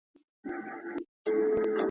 که اختر وي نو مبارکي نه پاتې کیږي.